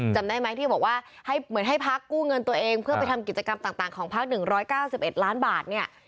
จำได้ไหมที่บอกว่าให้เหมือนให้พักกู้เงินตัวเองเพื่อไปทำกิจกรรมต่างของพัก๑๙๑ล้านบาทเนี่ย